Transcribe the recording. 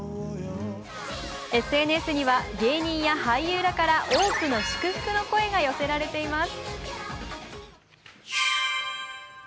ＳＮＳには芸人や俳優らから多くの祝福の声が寄せられています。